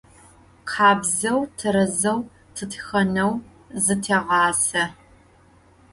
Khabzeu, terezeu tıtxeneu zıteğase.